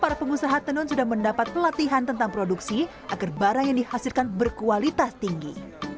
para pengusaha tenun sudah mendapat pelatihan tentang produksi agar barang yang dihasilkan berkualitas tinggi